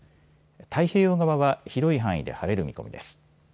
太平洋側は広い範囲で晴れる見込みです。